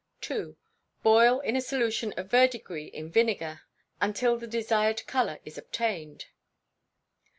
ii. Boil in a solution of verdigris in vinegar until the desired colour is obtained.